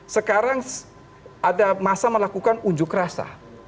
sekarang ada masa melakukan unjuk rasa